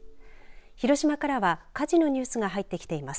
広島からは火事のニュースが入ってきています。